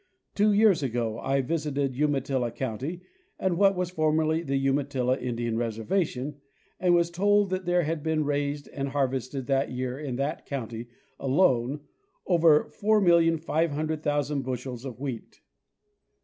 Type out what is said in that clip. Two years ago I visited Umatilla county and what was formerly the Umatilla Indian reservation, and was told that there had been raised and harvested that year in that county alone over 4,500,000 bushels of wheat.